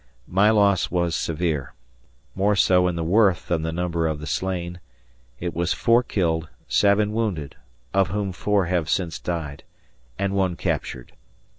My loss was severe; more so in the worth than the number of the slain. It was 4 killed, 7 wounded (of whom 4 have since died), and 1 captured.